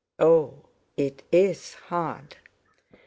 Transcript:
Oh! it is hard!